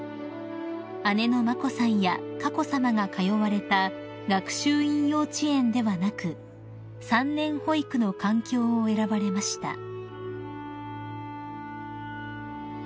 ［姉の眞子さんや佳子さまが通われた学習院幼稚園ではなく３年保育の環境を選ばれました］